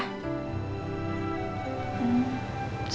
kamu di kamar aja